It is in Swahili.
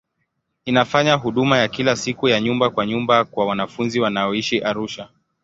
Inafanya huduma ya kila siku ya nyumba kwa nyumba kwa wanafunzi wanaoishi Arusha.